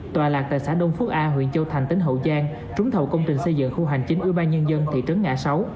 tòa lạc tại xã đông phước a huyện châu thành tỉnh hậu giang trúng thầu công trình xây dựng khu hành chính ủy ban nhân dân thị trấn ngã sáu